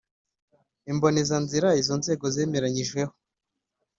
imbonezanzira izo nzego zemeranyijweho